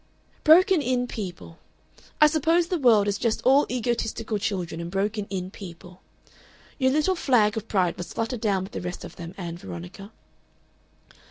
"Broken in people! I suppose the world is just all egotistical children and broken in people. "Your little flag of pride must flutter down with the rest of them, Ann Veronica....